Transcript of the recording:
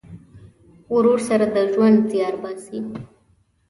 ورور سره د ژوند زیار باسې.